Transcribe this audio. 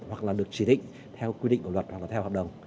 hoặc là được chỉ định theo quy định của luật hoặc là theo hợp đồng